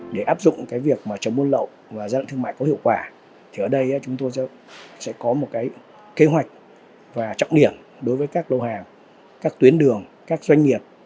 để áp dụng việc chống buôn lậu và gian lận thương mại có hiệu quả chúng tôi sẽ có một kế hoạch và trọng điểm đối với các lô hàng các tuyến đường các doanh nghiệp